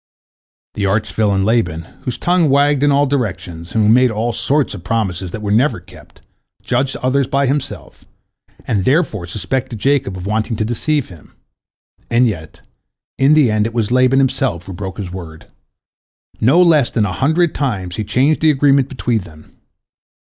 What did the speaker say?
The arch villain Laban, whose tongue wagged in all directions, and who made all sorts of promises that were never kept, judged others by himself, and therefore suspected Jacob of wanting to deceive him. And yet, in the end, it was Laban himself who broke his word. No less than a hundred times he changed the agreement between them.